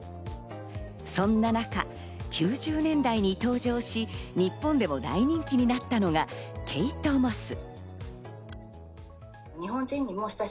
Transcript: そんな中、９０年代に登場し、日本でも大人気になったのがケイト・モス。